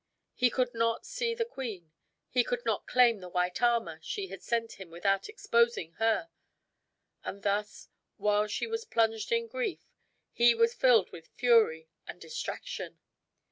He could not see the queen; he could not claim the white armor she had sent him without exposing her; and thus, while she was plunged in grief, he was filled with fury and distraction.